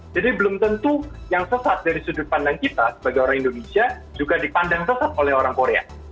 jadi belum tentu yang sesat dari sudut pandang kita sebagai orang indonesia juga dipandang sesat oleh orang korea